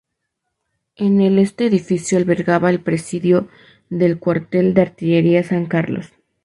En el este edificio albergaba el presidio del Cuartel de Artillería San Carlos.